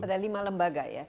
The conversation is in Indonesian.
ada lima lembaga ya